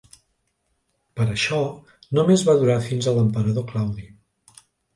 Però això només va durar fins a l'emperador Claudi.